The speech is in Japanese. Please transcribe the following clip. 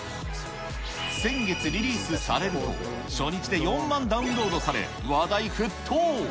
先月リリースされると、初日で４万ダウンロードされ、話題沸騰。